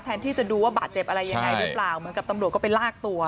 แทนที่จะดูว่าบาดเจ็บอะไรยังไงหรือเปล่าเหมือนกับตำรวจก็ไปลากตัว